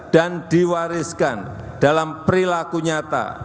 dan diwariskan dalam perilaku nyata